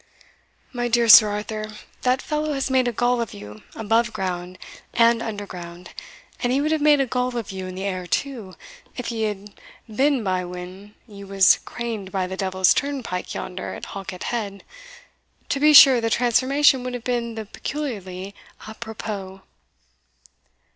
My dear Sir Arthur, that fellow has made a gull of you above ground and under ground, and he would have made a gull of you in the air too, if he had been by when you was craned up the devil's turnpike yonder at Halket head to be sure the transformation would have been then peculiarly apropos."